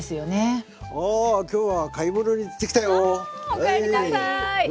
おかえりなさい。